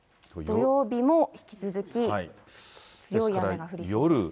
土曜日も引き続き強い雨が降りそうです。